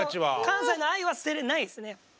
関西の愛は捨てれないですね。